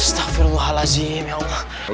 astagfirullahaladzim ya allah